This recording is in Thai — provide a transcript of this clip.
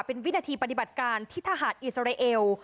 เป็นวินาทีปฏิบัติการที่ทหารอิสราเอล